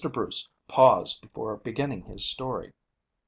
BRUCE paused before beginning his story.